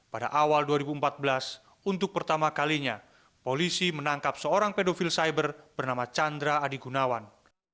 pada awal dua ribu empat belas untuk pertama kalinya polisi menangkap seorang pedofil cyber bernama chandra adi gunawan